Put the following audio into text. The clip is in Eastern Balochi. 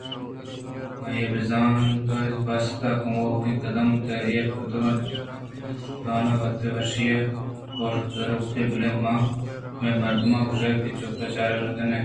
آئیءَ پہ زانگ ءِ واستہ کموکیں قدح ءِ تہا ایر ریتک ءُگلاٹ اِت اَنت تاں تام ءِ وشی ءَ آئی ءِ ہوش گار بوت بلئے ہمے دمان ءَ گشے چپ ءُچاگرد ءَ ناگتیں روژنائی ئے برٛمش گپت